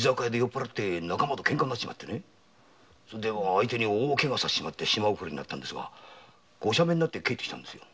相手に大ケガさせて島送りになったんですがご赦免で帰ってきたんですよ。